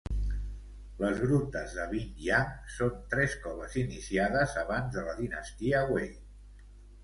Les grutes de Binyang són tres coves iniciades abans de la dinastia Wei.